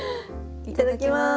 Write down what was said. いただきます！